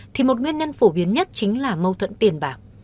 thì một nguyên nhân phổ biến nhất chính là mâu thuẫn tiền bạc